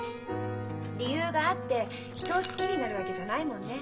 理由があって人を好きになるわけじゃないもんね。